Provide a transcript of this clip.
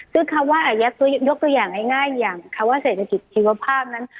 คือคำว่ายกตัวอย่างง่ายอย่างคำว่าเศรษฐกิจชีวภาพนั้น